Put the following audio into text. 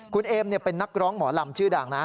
คุณเอมเป็นนักร้องหมอลำชื่อดังนะ